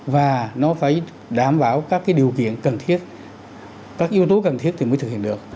và nó phải đảm bảo các điều kiện cần thiết các yếu tố cần thiết thì mới thực hiện được